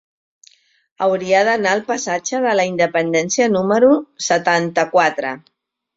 Hauria d'anar al passatge de la Independència número setanta-quatre.